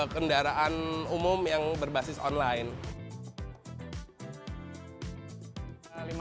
kendaraan umum yang berbasis online